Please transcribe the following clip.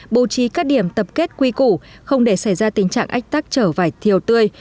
bố trí các điểm tập kết quy củ không để xảy ra tình trạng ách tắc trở vải thiều tươi